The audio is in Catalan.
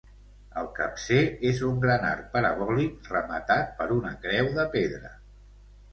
El capcer és un gran arc parabòlic rematat per una creu de pedra.